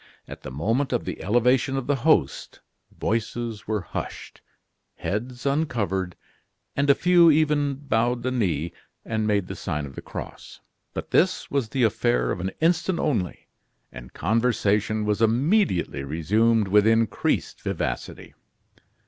At the moment of the elevation of the Host, voices were hushed, heads uncovered, and a few even bowed the knee and made the sign of the cross. But this was the affair of an instant only, and conversation was immediately resumed with increased vivacity.